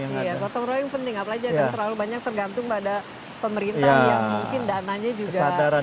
yang penting apalagi jangan terlalu banyak tergantung pada pemerintah yang mungkin dananya juga